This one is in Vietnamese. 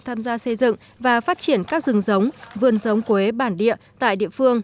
tham gia xây dựng và phát triển các rừng giống vườn giống quế bản địa tại địa phương